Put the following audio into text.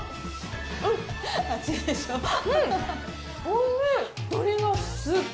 おっ！